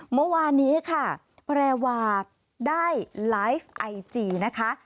เมื่อวานนี้ค่ะแพรวาได้ไลฟ์ไอจีนะคะ